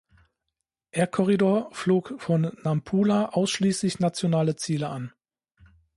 Air Corridor flog von Nampula ausschließlich nationale Ziele an.